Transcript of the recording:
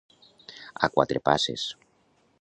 A quatre passes.